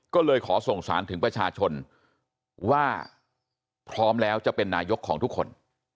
ก็เลยขอส่งสารถึงประชาชนว่าพร้อมแล้วจะเป็นนายกของทุกคน